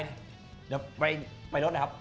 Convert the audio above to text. เดี๋ยวไปรถนะครับ